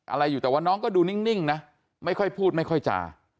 อะไรอยู่แต่ว่าน้องก็ดูนิ่งนะไม่ค่อยพูดไม่ค่อยจา